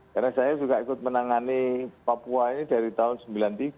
karena saya juga ikut menangani papua ini dari tahun seribu sembilan ratus sembilan puluh tiga